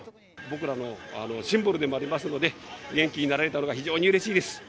僕らのシンボルでもありますので、元気になられたのが非常にうれしいです。